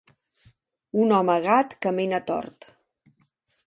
Un home gat camina tort.